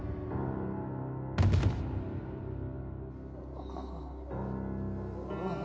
ああああ。